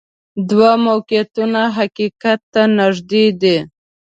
دوه موقعیتونه حقیقت ته نږدې دي.